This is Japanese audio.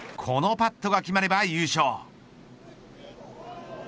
このパットが決まれば優勝。